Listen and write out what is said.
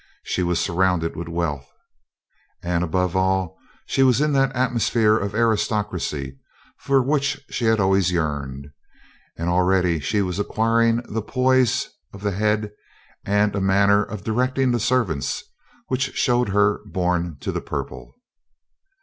She was surrounded with wealth, and above all, she was in that atmosphere of aristocracy for which she had always yearned; and already she was acquiring that poise of the head, and a manner of directing the servants, which showed her born to the purple.